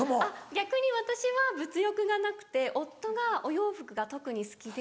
逆に私は物欲がなくて夫がお洋服が特に好きで。